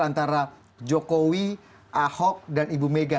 antara jokowi ahok dan ibu mega